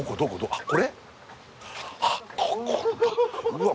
あっこれ？